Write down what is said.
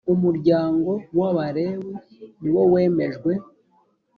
umuryango w ‘abalewi ni wo wemejwe.